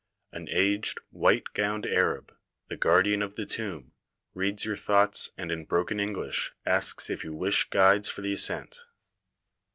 An aged, white gowned Arab, the guardian of the tomb, reads your thoughts and in broken English asks if you wish guides for the ascent.